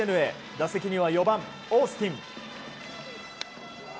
打席には４番、オースティン。